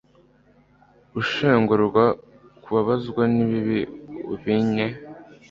gushengurwa kubabazwa n'ibibi ubinye